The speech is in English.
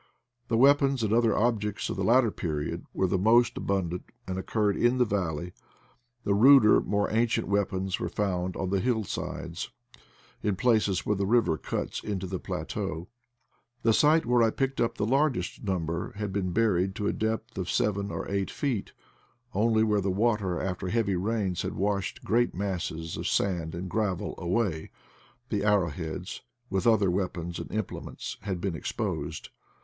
The weapons and other objects of the latter period were the most abundant, and occurred in the valley: the ruder more ancient weapons were found on the hill sides, in places where the river cuts into the plateau. The site where I picked up the largest number had been buried to a depth of seven or eight feet; only where the water after heavy rains had washed great masses of sand and gravel away, the arrow heads, with other weapons and implements, had been exposed.